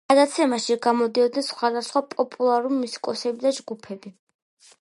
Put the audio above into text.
გადაცემაში გამოდიოდნენ სხვადასხვა პოპულარული მუსიკოსები და ჯგუფები.